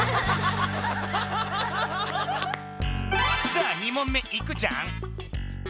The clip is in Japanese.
じゃあ２問目いくじゃん！